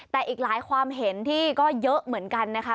แต่อีกหลายความเห็นที่ก็เยอะเหมือนกันนะคะ